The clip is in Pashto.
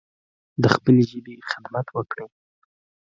د خپلې ژبې خدمت وکړﺉ